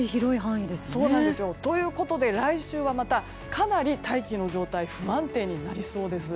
そうなんですよ。ということで来週はまたかなり大気の状態が不安定になりそうです。